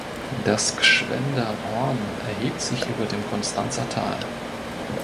Das Gschwender Horn erhebt sich über dem Konstanzer Tal.